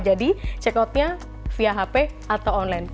jadi check outnya via hp atau online